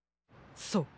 そう！